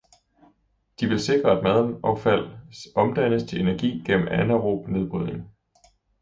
De vil sikre, at madaffald omdannes til energi gennem anaerob nedbrydning.